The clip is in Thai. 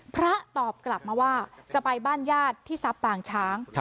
พระตอบกลับมาว่าจะไปบ้านญาติที่ทรัพย์ปางช้าง